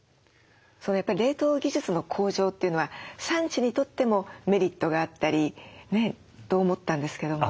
やっぱり冷凍技術の向上というのは産地にとってもメリットがあったりねと思ったんですけども。